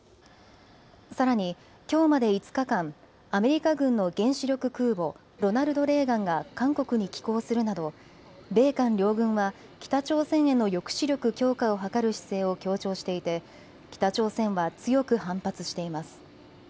さらにきょうまで５日間、アメリカ軍の原子力空母、ロナルド・レーガンが韓国に寄港するなど米韓両軍は北朝鮮への抑止力強化を図る姿勢を強調していて北朝鮮は強く反発しています。